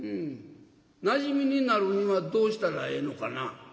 「なじみになるにはどうしたらええのかな？」。